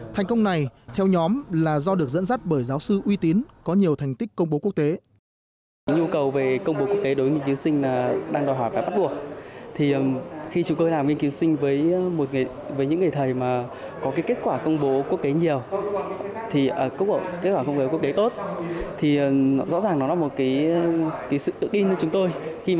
thành công này theo nhóm là do được dẫn dắt bởi giáo sư uy tín có nhiều thành tích công bố quốc tế